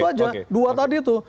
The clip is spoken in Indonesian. aja dua tadi itu